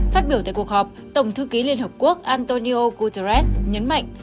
phát biểu tại cuộc họp tổng thư ký liên hợp quốc antonio guterres nhấn mạnh